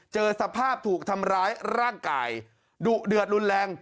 เจอสภาพถูกทำร้ายร่างกายดุเดือดรุนแรง